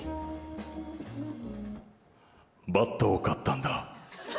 「バットを買ったんだ。